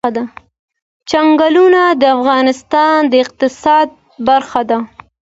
چنګلونه د افغانستان د اقتصاد برخه ده.